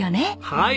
はい。